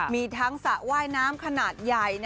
มีทั้งสระว่ายน้ำขนาดใหญ่